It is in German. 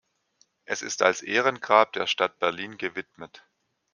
Es ist als Ehrengrab der Stadt Berlin gewidmet.